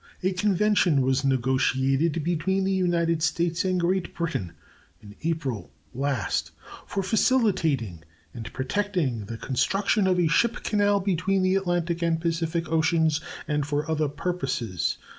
A convention was negotiated between the United States and Great Britain in April last for facilitating and protecting the construction of a ship canal between the Atlantic and Pacific oceans and for other purposes.